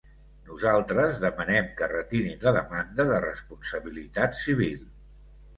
Nosaltres demanem que retirin la demanda de responsabilitat civil.